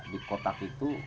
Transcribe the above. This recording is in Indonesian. di kotak itu